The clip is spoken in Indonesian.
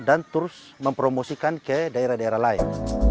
terus mempromosikan ke daerah daerah lain